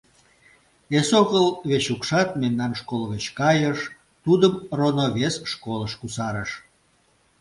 Эсогыл Вечукшат мемнан школ гыч кайыш; тудым роно вес школыш кусарыш.